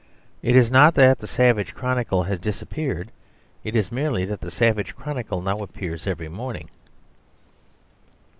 It is not that the savage chronicle has disappeared. It is merely that the savage chronicle now appears every morning.